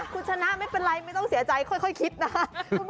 คุณชนะไม่เป็นไรไม่ต้องเสียใจค่อยคิดนะ